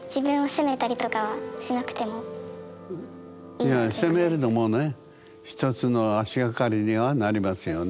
いや責めるのもね一つの足掛かりにはなりますよね。